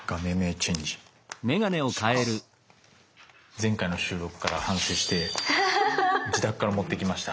前回の収録から反省して自宅から持ってきました。